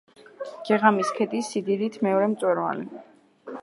გეღამის ქედის სიდიდით მეორე მწვერვალი.